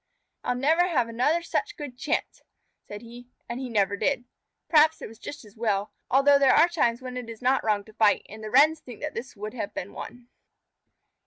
"I'll never have another such good chance," said he. And he never did. Perhaps it was just as well, although there are times when it is not wrong to fight, and the Wrens think this would have been one.